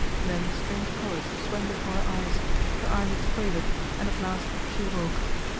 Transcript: Then strange colours swam before her eyes, her eyelids wavered, and at last she awoke.